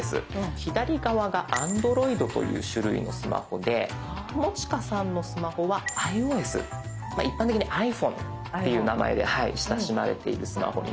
左側がＡｎｄｒｏｉｄという種類のスマホで友近さんのスマホはｉＯＳ一般的にはｉＰｈｏｎｅという名前で親しまれているスマホになります。